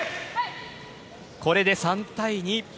これで３対２。